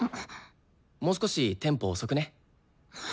もう少しテンポ遅くね。